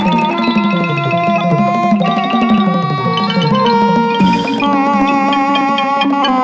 กลับมารับทราบ